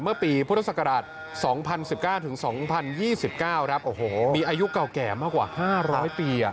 เมื่อปีพุทธศักราช๒๐๑๙ถึง๒๐๒๙ครับโอ้โหมีอายุเก่าแก่มากกว่า๕๐๐ปี